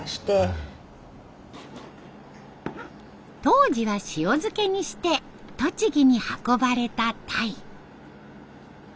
当時は塩漬けにして栃木に運ばれたタイ。